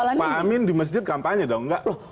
artinya pak amin di masjid kampanye dong